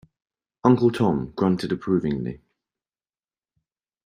Uncle Tom grunted approvingly.